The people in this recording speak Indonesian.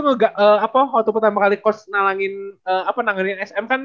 waktu pertama kali coach nanggarin sm kan